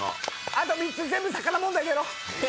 あと３つ全部魚問題出ろ！